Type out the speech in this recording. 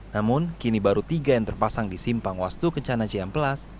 namun kini baru tiga yang terpasang di simpang wastu kencana ciamplas